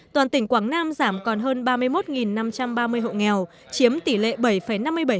toàn tỉnh quảng nam giảm còn hơn ba mươi một năm trăm ba mươi hộ nghèo chiếm tỷ lệ bảy năm mươi bảy